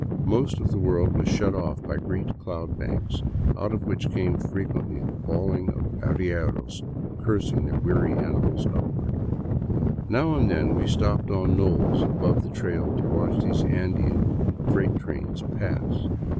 Most of the world was shut off by great cloud banks, out of which came frequently the bawling of arrieros cursing their weary animals upward. Now and then we stopped on knolls above the trail to watch these Andean freight trains pass.